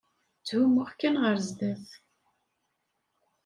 Tthumuɣ kan ɣer sdat.